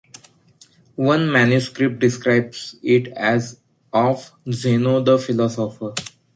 One manuscript describes it as "of Zeno the Philosopher".